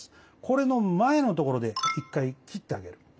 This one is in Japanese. これの前のところで１回切ってあげる。